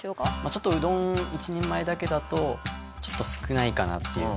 ちょっとうどん一人前だけだと少ないかなっていうか。